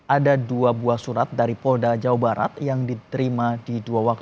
ada dua buah surat dari polda jawa barat yang diterima di dua waktu